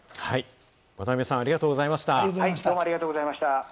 渡邊さん、ありがとうございました。